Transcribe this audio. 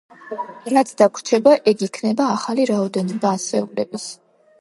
რაც დაგვრჩება ეგ იქნება ახალი რაოდენობა ასეულების.